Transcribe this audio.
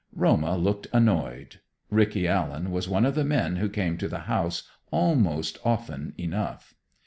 Roma looked annoyed. Rickie Allen was one of the men who came to the house almost often enough.